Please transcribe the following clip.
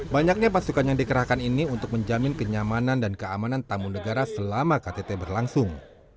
banyaknya pasukan yang dikerahkan ini untuk menjamin kenyamanan dan keamanan tamu negara selama ktt berlangsung